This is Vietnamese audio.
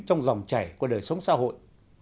trong dòng chảy của đời sống xã hội